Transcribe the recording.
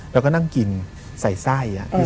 แล้วก็นั่งกินใส่ไส้